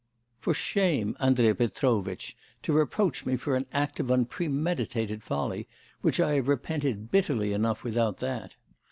'For shame, Andrei Petrovitch, to reproach me for an act of unpremeditated folly, which I have repented bitterly enough without that.